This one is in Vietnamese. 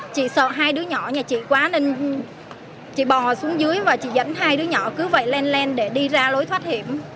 chị sợ hai đứa nhỏ nhà chị quá nên chị bò xuống dưới và chị dẫn hai đứa nhỏ cứ vậy len len để đi ra lối thoát hiểm